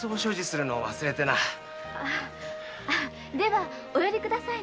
ではお寄りください。